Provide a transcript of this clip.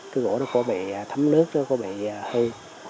cái gỗ nó có bị thấm nước nó có bị hư